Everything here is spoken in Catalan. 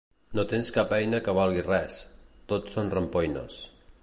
No tens cap eina que valgui res: tot són rampoines.